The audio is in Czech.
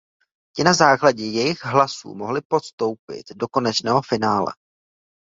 Ti na základě jejich hlasů mohli postoupit do konečného finále.